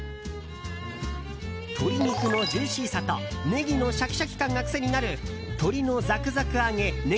鶏肉のジューシーさとネギのシャキシャキ感が癖になる鶏のざくざく揚げ葱